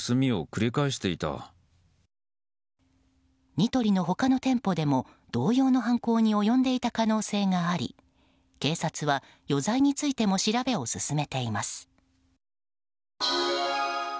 ニトリの他の店舗でも同様の犯行に及んでいた可能性があり警察は余罪についても調べを進めています。